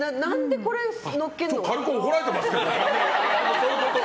軽く怒られてますけど。